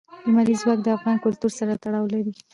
لمریز ځواک د افغان کلتور سره تړاو لري.